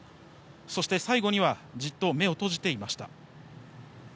そして最後にはじっと目を閉じていました。